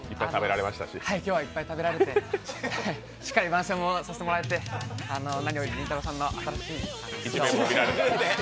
今日はいっぱい食べられて、番宣もしっかりさせていただいて何より、りんたろーさんの新しい一面が見れて。